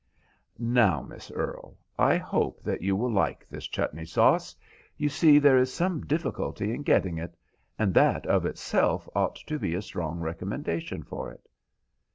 "Now, Miss Earle, I hope that you will like this chutney sauce. You see there is some difficulty in getting it, and that of itself ought to be a strong recommendation for it."